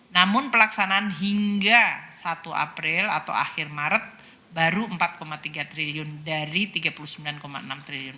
namun pelaksanaan hingga satu april atau akhir maret baru empat tiga triliun dari rp tiga puluh sembilan enam triliun